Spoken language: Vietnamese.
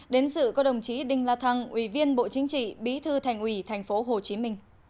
đến dự có đồng chí đinh la thăng ủy viên bộ chính trị bí thư thành ủy tp hcm